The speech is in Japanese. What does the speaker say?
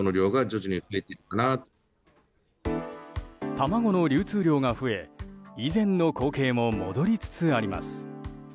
卵の流通量が増え以前の光景も戻りつつあります。